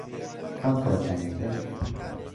کوان کوڕەکانی تر؟